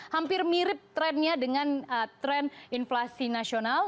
hampir mirip trennya dengan tren inflasi nasional